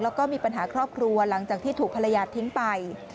แล้วก็มีปัญหาครอบครัวหลังจากที่ถูกภรรยาทิ้งไป